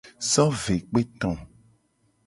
So ve kpe to.